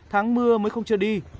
tháng mưa mới không cho đi